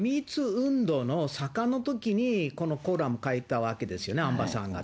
運動の盛んのときに、このコラム書いたわけですよね、アンバーさんが。